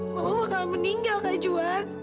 mama bakal meninggal kak juan